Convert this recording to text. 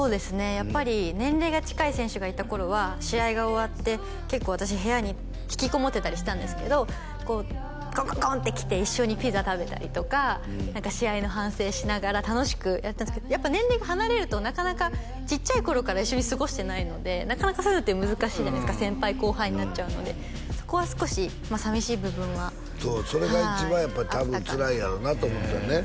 やっぱり年齢が近い選手がいた頃は試合が終わって結構私部屋に引きこもってたりしたんですけどこうコンコンコンって来て一緒にピザ食べたりとか何か試合の反省しながら楽しくやってたんですけどやっぱ年齢が離れるとなかなかちっちゃい頃から一緒に過ごしてないのでなかなかそういうのって難しいじゃないですか先輩後輩になっちゃうのでそこは少し寂しい部分はそうそれが一番やっぱり多分つらいやろうなと思ってたんよね